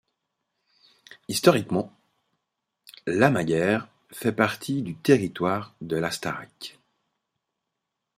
Historiquement, Lamaguère fait partie du territoire de l'Astarac.